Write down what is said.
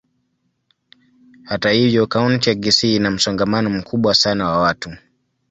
Hata hivyo, kaunti ya Kisii ina msongamano mkubwa sana wa watu.